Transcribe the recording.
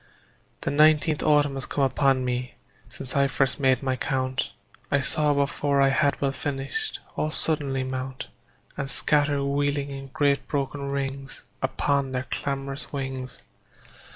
The nineteenth autumn has come upon me Since I first made my count; I saw, before I had well finished, All suddenly mount And scatter wheeling in great broken rings Upon their clamorous wings.